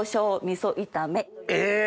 え！